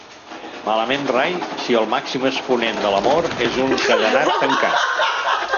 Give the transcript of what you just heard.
Malament rai, si el màxim exponent de l'amor és un cadenat tancat!